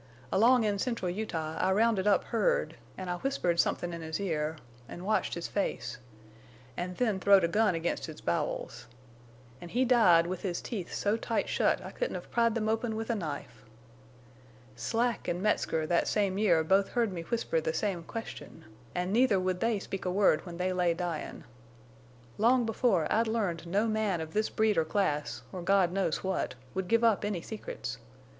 Along in Central Utah I rounded up Hurd, an' I whispered somethin' in his ear, an' watched his face, an' then throwed a gun against his bowels. An' he died with his teeth so tight shut I couldn't have pried them open with a knife. Slack an' Metzger that same year both heard me whisper the same question, an' neither would they speak a word when they lay dyin'. Long before I'd learned no man of this breed or class—or God knows what—would give up any secrets!